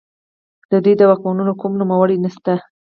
د دوی د واکمنو کوم نوملړ نشته